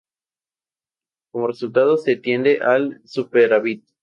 Como resultado se tiende al superávit.